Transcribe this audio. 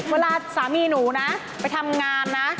เวลาสามีหนูนะไปทำงานนะ